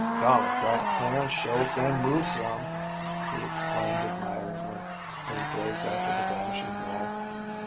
"Golly, dat Clarence sho' can move some," he exclaimed admiringly, as he gazed after the vanishing mule.